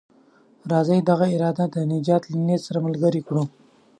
راځئ دغه اراده د نجات له نيت سره ملګرې کړو.